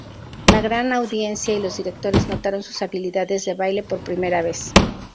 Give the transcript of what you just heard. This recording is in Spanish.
La gran audiencia y los directores notaron sus habilidades de baile por primera vez.